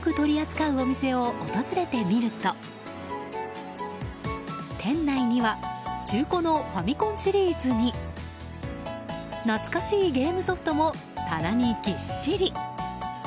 レトロゲームを多く取り扱うお店を訪れてみると店内には中古のファミコンシリーズに懐かしいゲームソフトも棚にぎっしり。